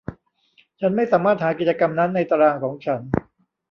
ฉันไม่สามารถหากิจกรรมนั้นในตารางของฉัน